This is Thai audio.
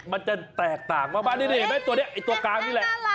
มันจะแตกต่างมากนี่เห็นไหมตัวนี้ไอ้ตัวกลางนี่แหละ